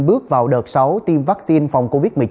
bước vào đợt sáu tiêm vaccine phòng covid một mươi chín